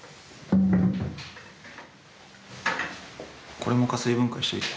これも加水分解しておいて。